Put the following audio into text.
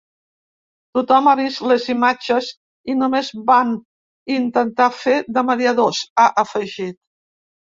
Tothom ha vist les imatges, i només vam intentar fer de mediadors, ha afegit.